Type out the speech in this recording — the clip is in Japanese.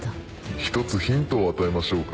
１つヒントを与えましょうか。